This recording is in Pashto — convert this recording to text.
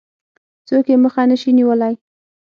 څوک يې مخه نه شي نيولای.